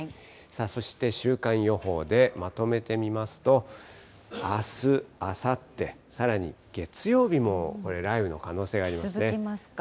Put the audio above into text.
そして週間予報でまとめてみますと、あす、あさって、さらに月曜日もこれ、続きますか。